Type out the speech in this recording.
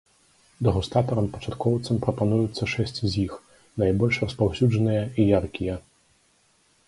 Дэгустатарам-пачаткоўцам прапануюцца шэсць з іх, найбольш распаўсюджаныя і яркія.